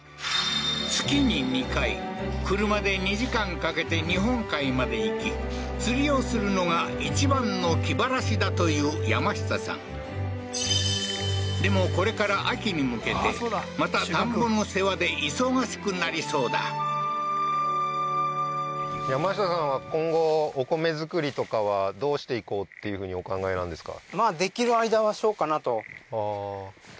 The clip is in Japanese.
月に２回車で２時間かけて日本海まで行き釣りをするのが一番の気晴らしだという山下さんでもこれから秋に向けてまた田んぼの世話で忙しくなりそうだ山下さんは今後お米作りとかはどうしていこうっていうふうにお考えなんですか？